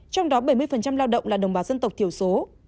trong đó bảy mươi lao động là đồng bào dân tộc thiểu số